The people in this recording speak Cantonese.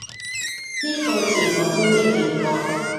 呢個字我都未見過